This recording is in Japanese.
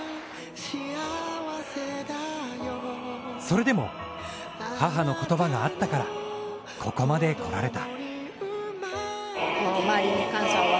それでも母の言葉があったからここまで来られた。